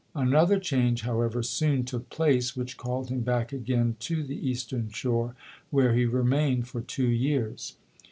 Another change, however, soon took place which called him back again to the Eastern Shore, where he remained for two years.